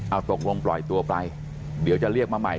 เอาตกลงปล่อยตัวไปเดี๋ยวจะเรียกมาใหม่